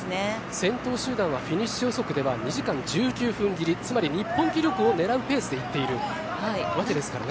先頭集団はフィニッシュ予測では２時間１９分切りつまり日本記録を狙うペースで行っているわけですからね。